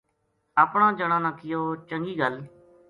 اپنا جنا نا کہیو ” چنگی گل